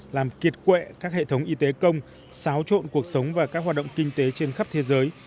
làm kiệt quệ các hệ thống y tế công xáo trộn cuộc sống và các hoạt động kinh tế trên khắp thế giới